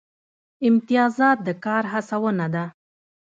امتیازات د کار هڅونه ده